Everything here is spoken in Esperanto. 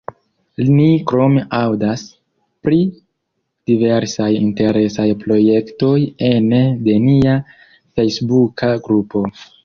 Ni krome aŭdas pri diversaj interesaj projektoj ene de nia fejsbuka grupo.